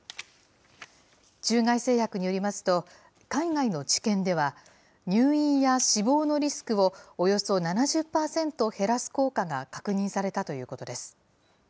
中外製薬によりますと、海外の治験では、入院や死亡のリスクをおよそ７０％減らす効果が確認されたということです。